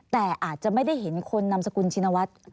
แต่อาจจะไม่ได้เห็นคนนามสกุลชินวัฒน์